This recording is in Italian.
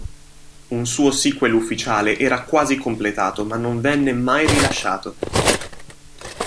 Un suo sequel ufficiale era quasi completato ma non venne mai rilasciato.